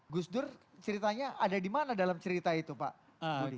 gus dur ceritanya ada di mana dalam cerita itu pak budi